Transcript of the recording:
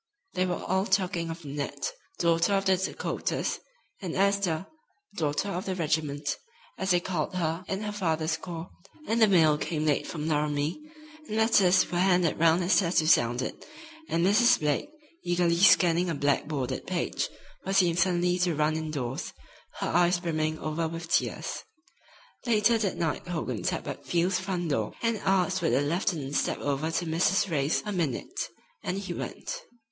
They were all talking of Nanette, Daughter of the Dakotas, and Esther, Daughter of the Regiment, as they called her in her father's Corps, and the mail came late from Laramie, and letters were handed round as tattoo sounded, and Mrs. Blake, eagerly scanning a black bordered page, was seen suddenly to run in doors, her eyes brimming over with tears. Later that night Hogan tapped at Field's front door and asked would the lieutenant step over to Mrs. Ray's a minute, and he went.